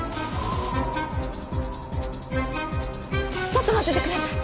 ちょっと待っててください。